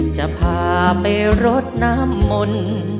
จะพาไปรถน้ำมน